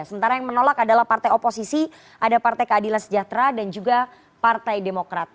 sementara yang menolak adalah partai oposisi ada partai keadilan sejahtera dan juga partai demokrat